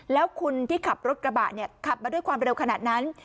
แล้วคุณที่ขับรถกระบะเนี่ยขับมาด้วยความเร็วขนาดนั้น